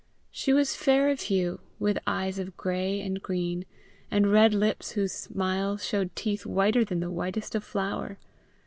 She was fair of hue, with eyes of gray and green, and red lips whose smile showed teeth whiter than the whitest of flour.